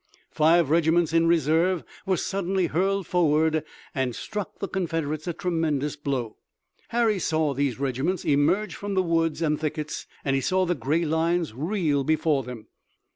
Five regiments in reserve were suddenly hurled forward and struck the Confederates a tremendous blow. Harry saw these regiments emerge from the woods and thickets and he saw the gray lines reel before them.